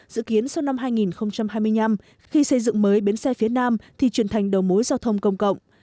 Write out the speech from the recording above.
dự kiến sau năm hai nghìn hai mươi năm khi xây dựng mới bến xe phía nam thì chuyển thành đầu mối giao thông công cộng